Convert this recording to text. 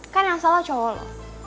kan yang salah cowo lo